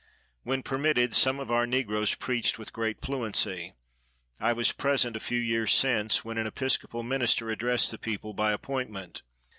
When permitted, some of our negroes preached with great fluency. I was present, a few years since, when an Episcopal minister addressed the people, by appointment.